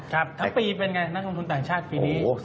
ครับแล้วปีเป็นอย่างไรนักลงทุนต่างชาติปีนี้